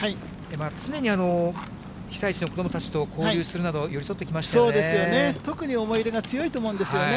常に被災地の子どもたちと交流するなど、そうですよね、特に思い入れが強いと思うんですよね。